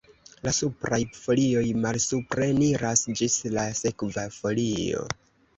La supraj folioj malsupreniras ĝis la sekva folio.